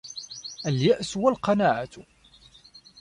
الْيَأْسُ وَالْقَنَاعَةُ